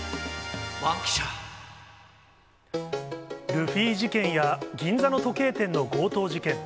ルフィ事件や銀座の時計店の強盗事件。